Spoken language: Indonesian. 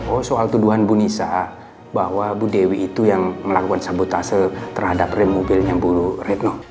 oh soal tuduhan bu nisa bahwa bu dewi itu yang melakukan sabotase terhadap rem mobilnya bu retno